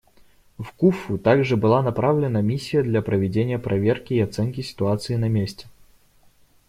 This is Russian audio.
В Куффу также была направлена миссия для проведения проверки и оценки ситуации на месте.